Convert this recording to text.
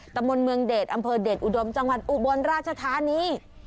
ตำบลเมืองเดชอำเภอเดชอุดมจังหวัดอุบลราชธานี